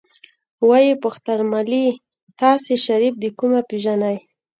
ويې پوښتل مالې تاسې شريف د کومه پېژنئ.